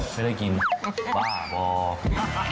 ไม่ได้กินบ้าบอก